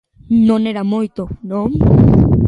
Non era moito, non?